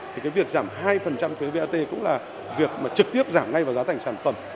thì việc giảm hai thuế vat cũng là việc trực tiếp giảm ngay vào giá thành sản phẩm